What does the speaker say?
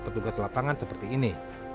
petugas lapangan seperti ini